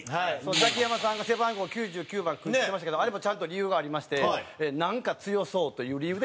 ザキヤマさんが背番号９９番って言ってましたけどあれもちゃんと理由がありまして「なんか強そう」という理由で９９番。